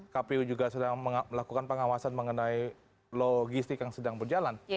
kpu juga sedang melakukan pengawasan mengenai logistik yang sedang berjalan